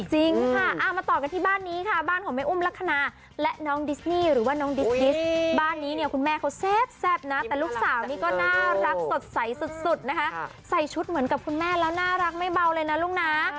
จริงค่ะมาต่อกันที่บ้านนี้ค่ะบ้านของแม่อุ้มลักษณะและน้องดิสนี่หรือว่าน้องดิสดิสบ้านนี้เนี่ยคุณแม่เขาแซ่บนะแต่ลูกสาวนี่ก็น่ารักสดใสสุดนะคะใส่ชุดเหมือนกับคุณแม่แล้วน่ารักไม่เบาเลยนะลูกนะ